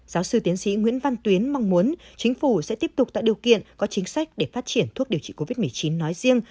giáo sư tiến sĩ nguyễn văn tuyến mong muốn chính phủ sẽ tiếp tục tạo điều kiện có chính sách để phát triển thuốc điều trị covid một mươi chín nói riêng